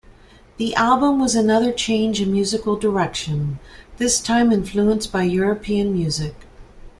The album was another change in musical direction, this time influenced by European music.